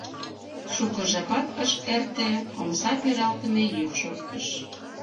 Шуко жапат ыш эрте, омса пералтыме йӱк шоктыш.